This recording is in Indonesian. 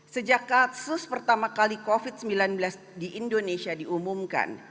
sejak kasus pertama kali covid sembilan belas di indonesia diumumkan